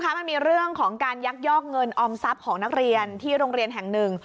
มันมีเรื่องของการยักยอกเงินออมทรัพย์ของนักเรียนที่โรงเรียนแห่งหนึ่ง